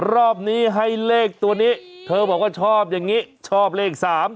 รอบนี้ให้เลขตัวนี้เธอบอกว่าชอบอย่างนี้ชอบเลข๓